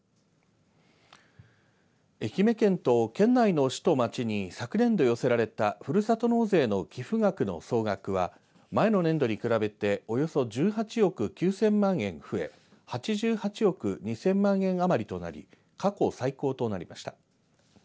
愛媛県と県内の市と町に昨年度寄せられたふるさと納税の寄付額の総額は前の年度に比べておよそ１８億９０００万円増え８８億円２０００万円余りとなり過去最高となりました。